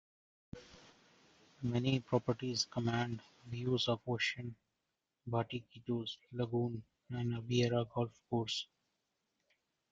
Many properties command views of the ocean, Batiquitos Lagoon, and Aviara golf course.